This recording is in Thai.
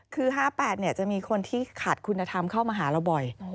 คือ๕๘จะมีคนที่ขาดคุณธรรมเข้ามาหาเราบ่อย